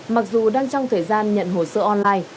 mặc dù đang trong thời gian nhận hồ sơ online